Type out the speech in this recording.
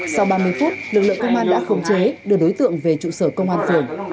sau ba mươi phút lực lượng công an đã khống chế đưa đối tượng về trụ sở công an phường